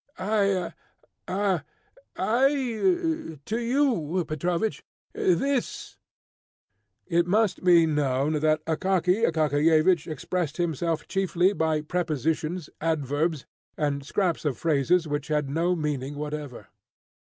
"Ah! I to you, Petrovich, this " It must be known that Akaky Akakiyevich expressed himself chiefly by prepositions, adverbs, and scraps of phrases which had no meaning whatever.